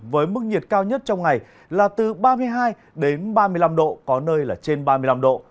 với mức nhiệt cao nhất trong ngày là từ ba mươi hai đến ba mươi năm độ có nơi là trên ba mươi năm độ